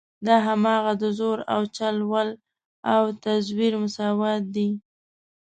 دا هماغه د زور او چل ول او تزویر مساوات دي.